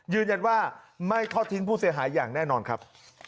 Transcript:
ยืนยันว่าไม่ทอดทิ้งผู้เสียหายอย่างแน่นอนครับ